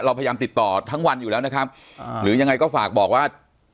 พยายามติดต่อทั้งวันอยู่แล้วนะครับอ่าหรือยังไงก็ฝากบอกว่า